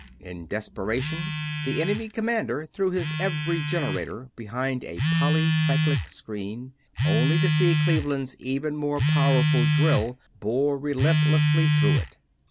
In desperation the enemy commander threw his every generator behind a polycyclic screen; only to see Cleveland's even more powerful drill bore relentlessly through it.